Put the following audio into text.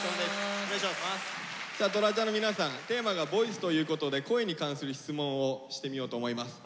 さあトラジャの皆さんテーマが「ＶＯＩＣＥ」ということで声に関する質問をしてみようと思います。